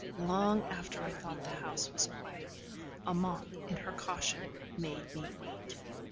Long after I thought the house was quiet, Amante, in her caution, made me wait.